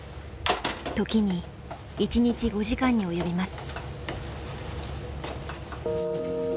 時に１日５時間に及びます。